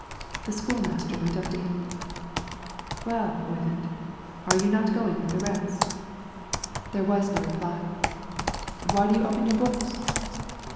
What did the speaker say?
The school master went up to him. "Well, Oyvind, are you not going with the rest?" There was no reply. "Why do you open your books?"